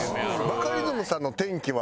バカリズムさんの転機は？